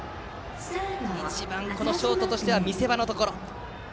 ショートとしては一番の見せ場のところ。